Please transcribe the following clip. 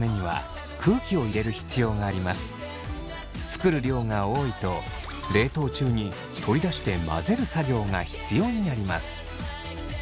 作る量が多いと冷凍中に取り出して混ぜる作業が必要になります。